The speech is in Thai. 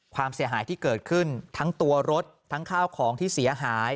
ความเสียหายที่เกิดขึ้นทั้งตัวรถทั้งข้าวของที่เสียหาย